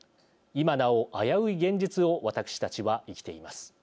今なお、危うい現実を私たちは生きています。